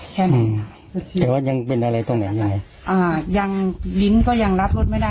แค่นั้นแต่ว่ายังเป็นอะไรตรงไหนยังไงอ่ายังลิ้นก็ยังรับรสไม่ได้